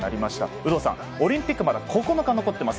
有働さん、オリンピックまだ９日残っています。